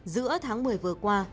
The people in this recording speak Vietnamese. giữa tháng một mươi vừa qua